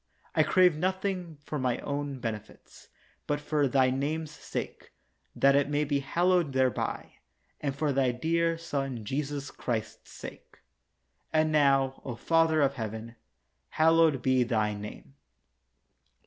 I crave nothing for mine own merits, but for Thy name's sake, that it may be hallowed thereby, and for Thy dear Son Jesus Christ's sake. And now, O Father of Heaven, hallowed be Thy name.